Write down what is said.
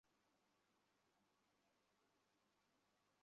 ফলে স্থানীয় জনগণের বসতভিটার গাছ চেরাই করার জন্য নিরুপায় হয়ে করাতকল বসিয়েছি।